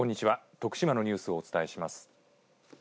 徳島のニュースをお伝えします。